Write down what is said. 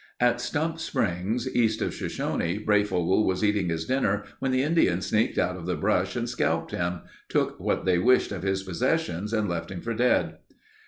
At Stump Springs east of Shoshone, Breyfogle was eating his dinner when the Indians sneaked out of the brush and scalped him, took what they wished of his possessions and left him for dead.